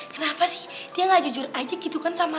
kenapa sih dia gak jujur aja gitu kan sama